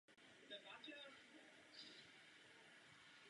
Rovněž to posílí naše evropské dodavatele ekologických technologií.